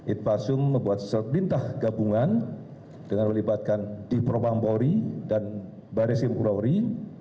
itvasum membuat sesuatu bintang gabungan dengan melibatkan dipropagang polri dan badan sistem kulau polri